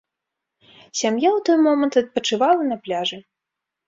Сям'я ў той момант адпачывала на пляжы.